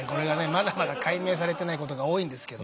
まだまだ解明されてないことが多いんですけど。